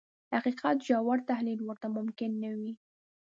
د حقيقت ژور تحليل ورته ممکن نه وي.